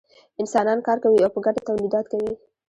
انسانان کار کوي او په ګډه تولیدات کوي.